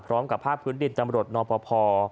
พร้อมกับภาคพื้นดินจำรวจนอพพอ